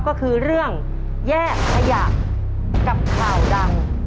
ก็คือเรื่องแยกขยะกับข่าวดัง